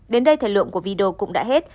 đến đây thời lượng của video cũng đã hết